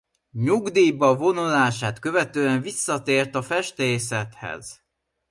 Nyugdíjba vonulását követően visszatért a festészethez.